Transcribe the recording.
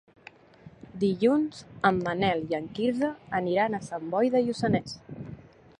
Dilluns en Manel i en Quirze aniran a Sant Boi de Lluçanès.